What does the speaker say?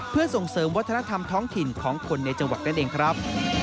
เพื่อส่งเสริมวัฒนธรรมท้องถิ่นของคนในจังหวัดนั่นเองครับ